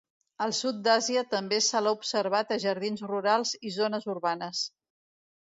Al sud d'Àsia també se l'ha observat a jardins rurals i zones urbanes.